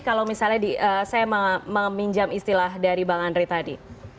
kalau misalnya saya meminjam istilah dari bang andri tadi